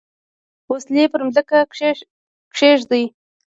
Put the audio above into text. وسلې پر مځکه کښېږدي.